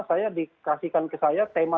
saya dikasihkan ke saya tema